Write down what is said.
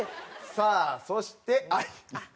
さあそしてあっ！